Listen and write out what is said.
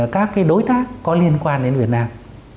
các đối tác có liên quan đến việt nam